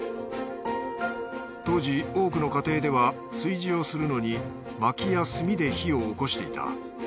当時多くの家庭では炊事をするのに薪や炭で火を起こしていた。